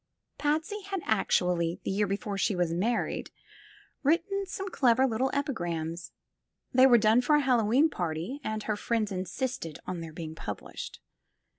Patsy had actually, the year before she was married, written some clever little epigrams. They were done for a Hallowe'en party and her friends insisted on their being published.